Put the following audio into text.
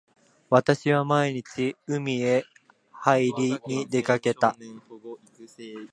私は毎日海へはいりに出掛けた。